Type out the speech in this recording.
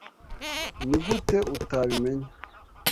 Nigute utabimenya?